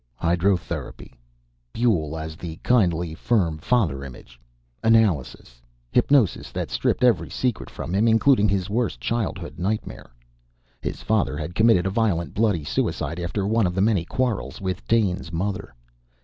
Hydrotherapy ... Buehl as the kindly firm father image ... analysis ... hypnosis that stripped every secret from him, including his worst childhood nightmare. His father had committed a violent, bloody suicide after one of the many quarrels with Dane's mother.